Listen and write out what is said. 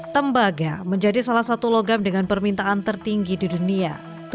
tembaga menjadi salah satu logam dengan permintaan tertinggi di dunia